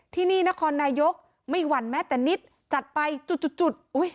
ที่นี่นครนายกไม่หวั่นแม้แต่นิดจัดไปจุด